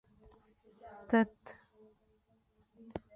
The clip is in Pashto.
تت